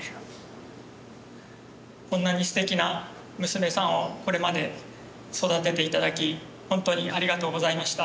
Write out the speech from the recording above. こんなにステキな娘さんをこれまで育てて頂き本当にありがとうございました。